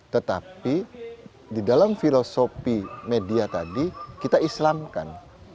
tetapi di dalam filosofi media tadi kita islamkan